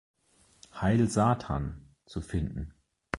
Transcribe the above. Heil Satan“ zu finden.